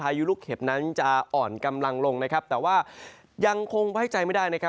ยุลูกเห็บนั้นจะอ่อนกำลังลงนะครับแต่ว่ายังคงไว้ใจไม่ได้นะครับ